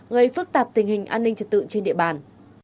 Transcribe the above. gây phức tạp tình hình an ninh trật tự trên địa bàn